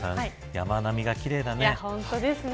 山並みが奇麗ですね。